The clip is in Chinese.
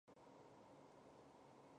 本篇只介绍电视版。